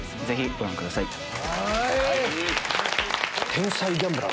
ぜひご覧ください。